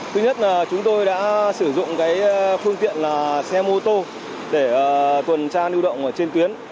thứ nhất là chúng tôi đã sử dụng phương tiện xe mô tô để tuần tra lưu động trên tuyến